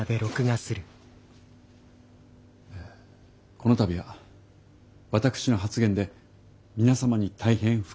この度は私の発言で皆様に大変不快な思いを。